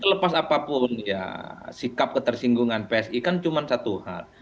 selepas apapun ya sikap ketersinggungan psi kan cuma satu hal